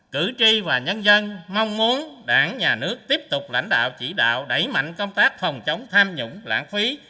cử tri và nhân dân mong muốn đảng nhà nước tiếp tục lãnh đạo chỉ đạo đẩy mạnh công tác phòng chống tham nhũng lãng phí